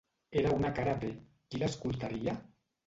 Era una cara B: qui l'escoltaria?